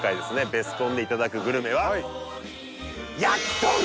ベスコンでいただくグルメは焼き鳥！